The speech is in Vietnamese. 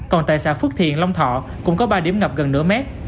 còn tại xã phước thiện long thọ cũng có ba điểm ngập gần nửa mét